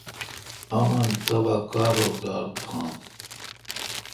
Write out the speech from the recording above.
امن تبا تان کار روزگار تھان۔